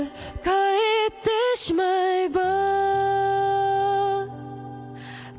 「変えてしまえば．．．」